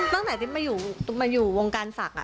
ตั้งแต่ที่มาอยู่วงการศักดิ์